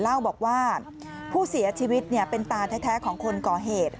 เล่าบอกว่าผู้เสียชีวิตเป็นตาแท้ของคนก่อเหตุ